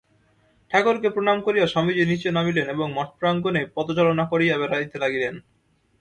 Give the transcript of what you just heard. ঠাকুরকে প্রণাম করিয়া স্বামীজী নীচে নামিলেন এবং মঠপ্রাঙ্গণে পদচারণা করিয়া বেড়াইতে লাগিলেন।